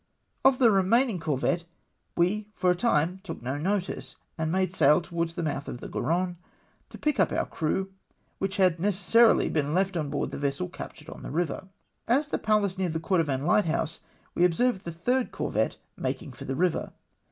Of the remaining corvette we for a time took no notice, and made sail towards the mouth of the Garonne to pick up om" crew, which had necessarily been left on board the vessel captm^ed on the river. As the Pallas neared the Cordovan hghthouse, we observed the third corvette making for the river.